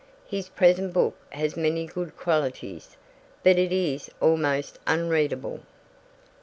His present book has many good qualities, but it is almost unreadable.